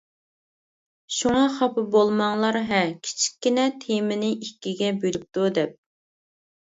شۇڭا خاپا بولماڭلار ھە كىچىككىنە تېمىنى ئىككىگە بۆلۈپتۇ دەپ.